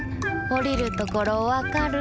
おりるところわかる？